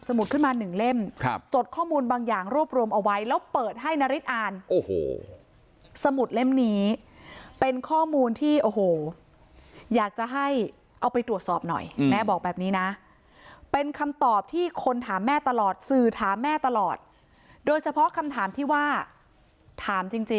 สมุดเล่มนี้เป็นข้อมูลที่โอโหอยากจะให้เอาไปตรวจสอบหน่อยแม่บอกแบบนี้นะเป็นคำตอบที่คนถามแม่ตลอดสื่อถามแม่ตลอดโดยเฉพาะคำถามที่ว่า